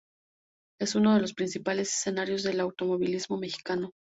Es uno de los principales escenarios del automovilismo mexicano.